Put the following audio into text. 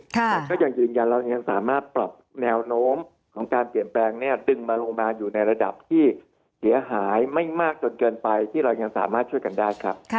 แต่ก็ยังยืนยันเรายังสามารถปรับแนวโน้มของการเปลี่ยนแปลงเนี่ยดึงมาลงมาอยู่ในระดับที่เสียหายไม่มากจนเกินไปที่เรายังสามารถช่วยกันได้ครับ